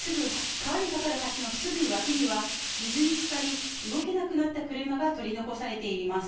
川に架かる橋のすぐ脇には水につかり、動けなくなった車が取り残されています。